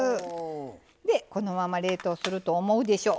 でこのまま冷凍すると思うでしょ？